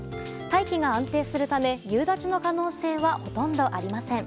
大気が安定するため夕立の可能性はほとんどありません。